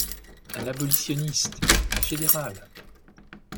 Un abolitionniste! un fédéral !...